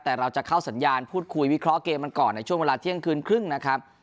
แต่เราจะเข้าสัญญาณพูดคุยวิเคราะห์เกมกันก่อนในช่วงเวลาเที่ยงคืนครึ่งนะครับ